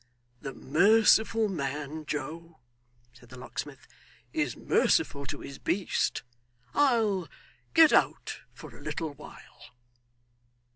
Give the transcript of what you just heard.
'The merciful man, Joe,' said the locksmith, 'is merciful to his beast. I'll get out for a little while.